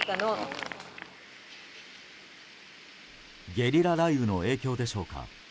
ゲリラ雷雨の影響でしょうか。